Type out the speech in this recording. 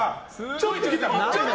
ちょっと切った。